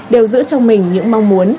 đều giữ trong mình những mong muốn